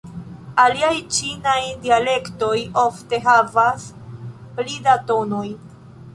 Aliaj ĉinaj dialektoj ofte havas pli da tonoj.